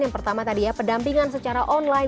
yang pertama tadi ya pendampingan secara online